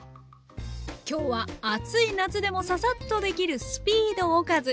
今日は暑い夏でもササッとできる「スピードおかず」。